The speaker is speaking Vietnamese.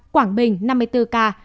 quảng bình năm mươi bốn ca